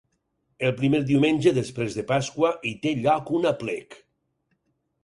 El primer diumenge després de Pasqua hi té lloc un aplec.